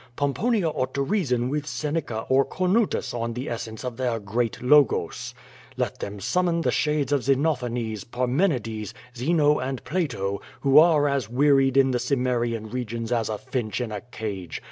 Pomponia ought to reason with Seneca or Cornutus on the essence of their great Logos. Let them summon the shades of Xenophanes, Parmenides, Zeno, and Plato, who are as wearied in the Cimmerian re gions as a finch in a cage.